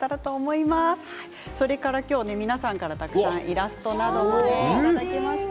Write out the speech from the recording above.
皆さんからたくさんイラストもいただきました。